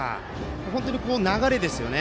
本当に流れですよね。